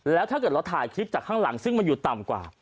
แล้วถ้าเกิดเราถ่ายคลิปจากข้างหลังซึ่งมันอยู่ต่ำกว่า